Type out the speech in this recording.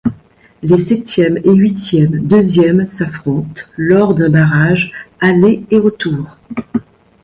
Les septième et huitième deuxièmes s'affrontent lors d'un barrage aller et retour.